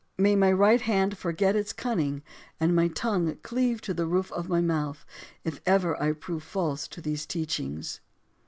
May my right hand forget its cunning and my tongue cleave to the roof of my mouth if ever I prove false to those teachings.